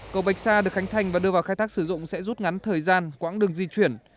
cầu bạch sa được khánh thành và đưa vào khai thác sử dụng sẽ rút ngắn thời gian quãng đường di chuyển